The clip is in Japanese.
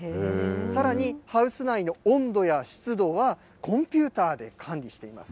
さらに、ハウス内の温度や湿度は、コンピューターで管理しています。